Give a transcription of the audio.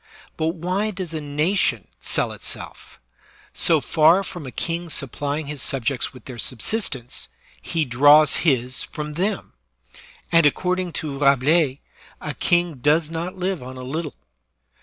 But why does a nation sell itself ? So far from a king supplying his subjects with their subsistence, he draws his from them; and, according to Rabelais, a king does not live on a little.